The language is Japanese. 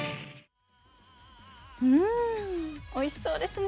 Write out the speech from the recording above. おいしそうですね。